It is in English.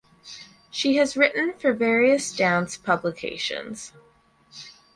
She has written for various dance publications.